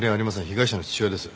被害者の父親です。